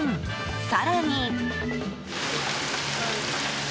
更に。